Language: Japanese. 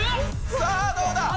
さあどうだ？